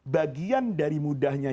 bagian dari mudahnya